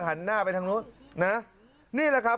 หันหน้าไปทางนู้นนะนี่แหละครับ